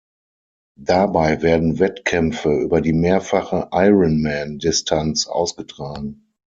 Dabei werden Wettkämpfe über die mehrfache Ironman-Distanz ausgetragen.